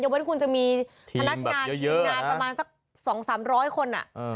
ยังไว้ที่คุณจะมีทีมแบบเยอะเยอะทีมงานประมาณสักสองสามร้อยคนอ่ะ